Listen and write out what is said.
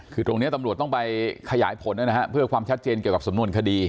คือตรงนี้ตำรวจต้องไปขยายผลนะฮะเพื่อความชัดเจนเกี่ยวกับสำนวนคดี